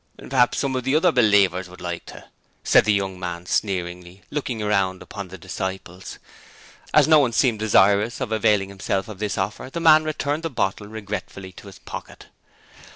'P'haps some of the other "believers" would like to,' said the young man sneeringly, looking round upon the disciples. As no one seemed desirous of availing himself of this offer, the man returned the bottle regretfully to his pocket.